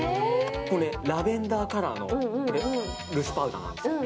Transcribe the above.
ラベンダーカラーのルースパウダーなんです。